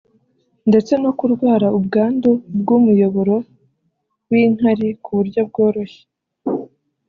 ndetse no kurwara ubwandu bw’umuyoboro w’inkari ku buryo bworoshye